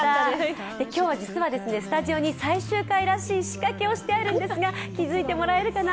今日は実はスタジオに最終回らしい仕掛けをしているんですが気付いてもらえるかな。